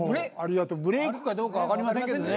ブレークかどうか分かりませんけどね。